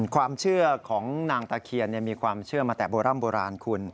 ความเชื่อของนางตะเคียนมีความเชื่อมาแต่โบร่ำโบราณคุณ